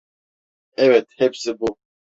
Evet, hepsi bu.